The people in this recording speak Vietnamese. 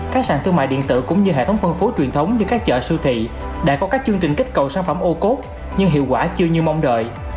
các sàn thương mại điện tử cũng như hệ thống phân phối truyền thống như các chợ siêu thị đã có các chương trình kích cầu sản phẩm ô cốt nhưng hiệu quả chưa như mong đợi